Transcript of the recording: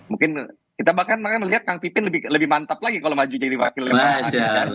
mungkin kita bahkan melihat kang pipin lebih mantap lagi kalau maju jadi wakilnya kan